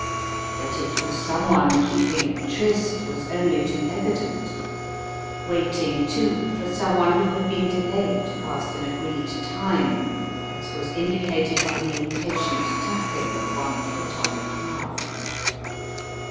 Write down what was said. That it was someone keeping a tryst was only too evident; waiting, too, for someone who had been delayed past an agreed time, as was indicated by the impatient tapping of one foot on the path.